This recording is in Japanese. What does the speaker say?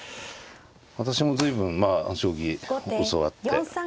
私も随分まあ将棋教わって。